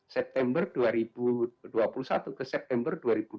september dua ribu dua puluh satu ke september dua ribu dua puluh